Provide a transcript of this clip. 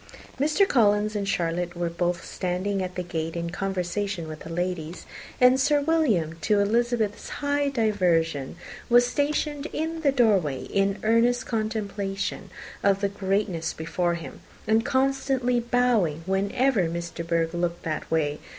Mr. Collins and Charlotte were both standing at the gate in conversation with the ladies; and Sir William, to Elizabeth's high diversion, was stationed in the doorway, in earnest contemplation of the greatness before him, and constantly bowing whenever Miss De Bourgh looked that way.